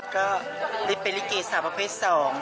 ก็ได้เป็นลิเกย์สาวประเภทสอง